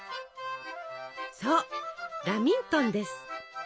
そうラミントンです。